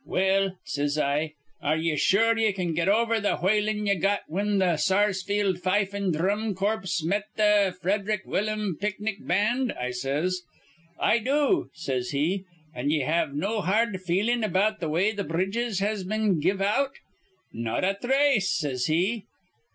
'Well,' says I, 'are ye sure ye can get over th' whalin' ye got whin th' Sarsfield Fife an' Dhrum Corpse met th' Frederick Willum Picnic Band?' I says. 'I do,' says he. 'An' ye have no har rd feelin' about th' way th' bridges has been give out?' 'Not a thrace,' says he.